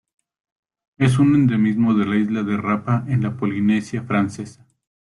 Es un endemismo de la isla de Rapa en la Polinesia Francesa.